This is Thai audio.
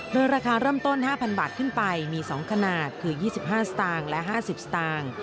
โดยราคาเริ่มต้น๕๐๐บาทขึ้นไปมี๒ขนาดคือ๒๕สตางค์และ๕๐สตางค์